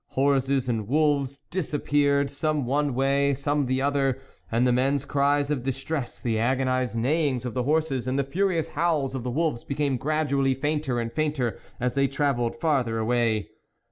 Horses and wolves disappeared, some one way some the other, and the men's cries of distress, the agonised neighings of the horses, and the furious howls of the wolves became gradually fainter and fainter as they travelled farther away.